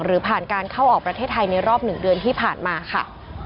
หรือผ่านการเข้าออกประเทศไทยในรอบ๑เดือนที่ผ่านมาค่ะ